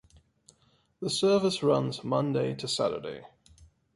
The service runs Monday-Saturday.